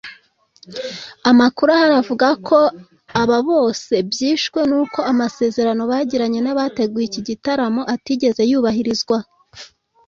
Amakuru ahari avuga ko aba bose byishwe n'uko amasezerano bagiranye n'abateguye iki gitaramo atigeze yubahirizwa